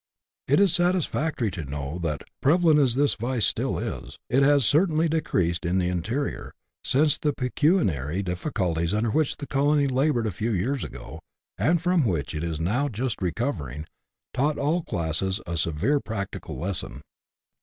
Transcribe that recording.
It is satisfactory to know that, prevalent as this vice still is, it has certainly decreased in the interior, since the pecuniary difficulties under which the colony laboured a few years ago, and from which it is now but just recovering, taught all classes a severe practical lesson.